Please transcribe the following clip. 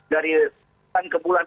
dari tahun ke bulan